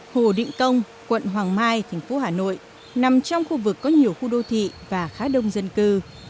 hồ định công quận hoàng mai thành phố hà nội nằm trong khu vực có nhiều khu đô thị và khá đông dân cư